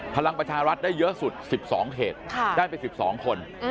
พลังประชารัฐได้เยอะสุด๑๒เขตได้ไป๑๒คน